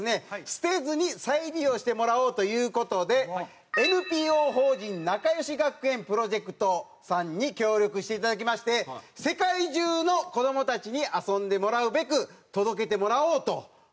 捨てずに再利用してもらおうという事でＮＰＯ法人なかよし学園プロジェクトさんに協力していただきまして世界中の子どもたちに遊んでもらうべく届けてもらおうと。